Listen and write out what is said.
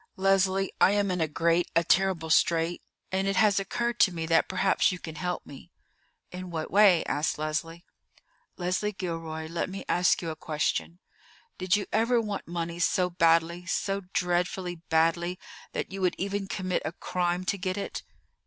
Leslie, I am in a great, a terrible strait, and it has occurred to me that perhaps you can help me." "In what way?" asked Leslie. "Leslie Gilroy, let me ask you a question. Did you ever want money so badly, so dreadfully badly, that you would even commit a crime to get it?"